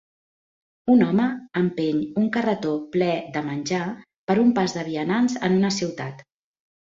Un home empeny un carretó ple de menjar per un pas de vianants en una ciutat.